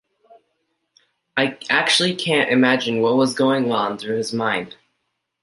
I actually can't imagine what was going through his mind.